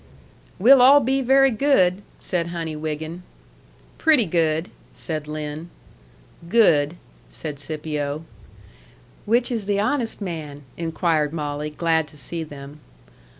"We'll all be very good," said Honey Wiggin. "Pretty good," said Lin. "Good," said Scipio. "Which is the honest man?" inquired Molly, glad to see them.